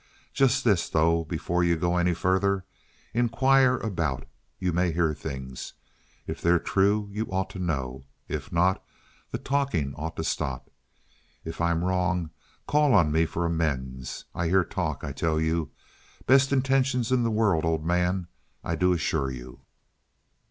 Just this, though, before you go any further. Inquire about. You may hear things. If they're true you ought to know. If not, the talking ought to stop. If I'm wrong call on me for amends. I hear talk, I tell you. Best intentions in the world, old man. I do assure you."